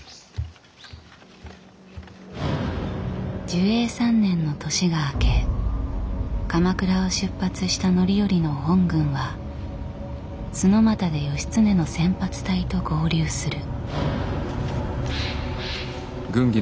寿永３年の年が明け鎌倉を出発した範頼の本軍は墨俣で義経の先発隊と合流する。